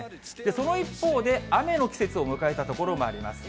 その一方で、雨の季節を迎えた所もあります。